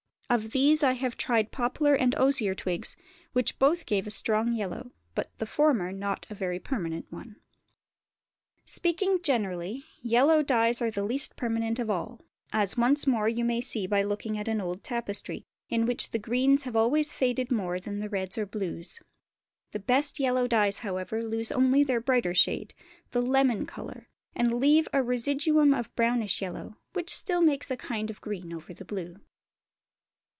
Of these I have tried poplar and osier twigs, which both gave a strong yellow, but the former not a very permanent one. Speaking generally, yellow dyes are the least permanent of all, as once more you may see by looking at an old tapestry, in which the greens have always faded more than the reds or blues; the best yellow dyes, however, lose only their brighter shade, the "lemon" colour, and leave a residuum of brownish yellow, which still makes a kind of a green over the blue.